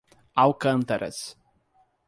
Alcântaras